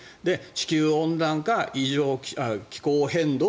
地球温暖化、気候変動